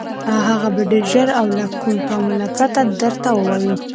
هغه به ډېر ژر او له كوم تأمل نه پرته درته ووايي: